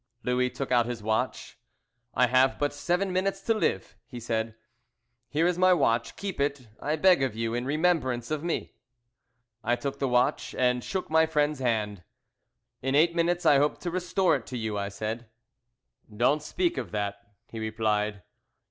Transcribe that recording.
Louis took out his watch. "I have but seven minutes to live," he said; "here is my watch, keep it, I beg of you, in remembrance of me." I took the watch, and shook my friend's hand. "In eight minutes I hope to restore it to you," I said. "Don't speak of that," he replied.